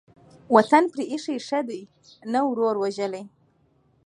وطن پرې ايښى ښه دى ، نه ورور وژلى.